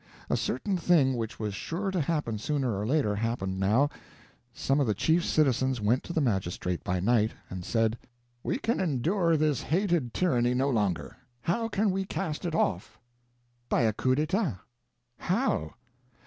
A certain thing which was sure to happen sooner or later happened now. Some of the chief citizens went to the magistrate by night, and said: "We can endure this hated tyranny no longer. How can we cast it off?" "By a coup d'etat." "How?"